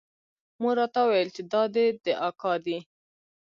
مور راته وويل چې دا دې اکا دى.